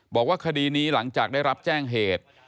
บอกว่าคดีนี้หลังจากได้รับแจ้งเหตุ